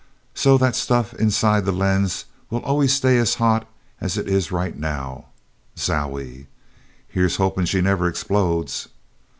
So that stuff inside that lens will always stay as hot as it is right now! Zowie! Here's hoping she never explodes!